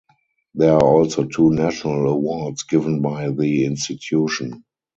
There are also two national awards given by the institution.